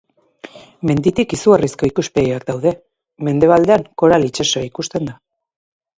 Menditik izugarrizko ikuspegiak daude; mendebaldean Koral itsasoa ikusten da.